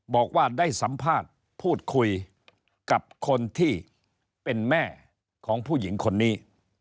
บอกว่าได้สัมภาษณ์พูดคุยกับคนที่เป็นแม่ของผู้หญิงคนนี้